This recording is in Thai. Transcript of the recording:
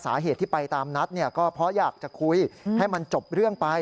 สาเหตุที่ไปตามนัดเนี่ยก็เพราะอยากจะคุยให้มันจบเรื่องไป